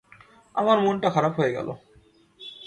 আমার মনটা খারাপ হয়ে গেল।